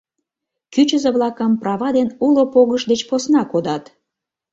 Кӱчызӧ-влакым права ден уло погышт деч посна кодат.